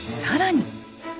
更に。